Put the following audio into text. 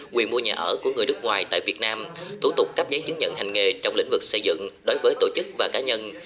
quyền mua nhà ở của người nước ngoài tại việt nam thủ tục cắp giấy chứng nhận hành nghề trong lĩnh vực xây dựng đối với tổ chức và cá nhân